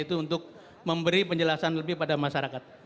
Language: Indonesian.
itu untuk memberi penjelasan lebih pada masyarakat